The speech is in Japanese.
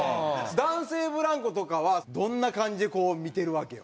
男性ブランコとかはどんな感じで見てるわけよ？